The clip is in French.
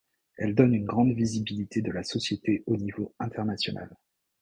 Elle donne une grande visibilité de la société au niveau international.